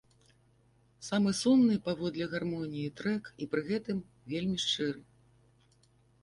Самы сумны паводле гармоніі трэк і пры гэтым вельмі шчыры.